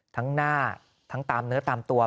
ทั้งหน้าทั้งตามเนื้อตามตัว